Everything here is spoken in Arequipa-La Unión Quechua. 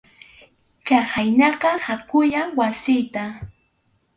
Chhaynaqa hakuyá wasiyta.